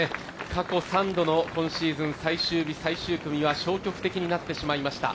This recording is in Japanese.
過去３度の今シーズン最終日最終組は消極的になってしまいました。